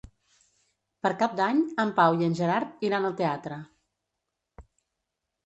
Per Cap d'Any en Pau i en Gerard iran al teatre.